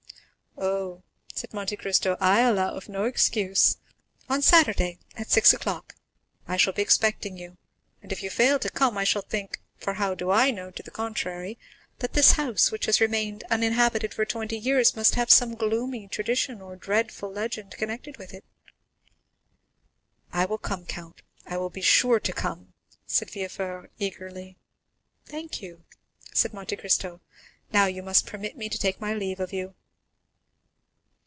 "Oh," said Monte Cristo, "I allow of no excuse. On Saturday, at six o'clock. I shall be expecting you, and if you fail to come, I shall think—for how do I know to the contrary?—that this house, which has remained uninhabited for twenty years, must have some gloomy tradition or dreadful legend connected with it." "I will come, count,—I will be sure to come," said Villefort eagerly. "Thank you," said Monte Cristo; "now you must permit me to take my leave of you."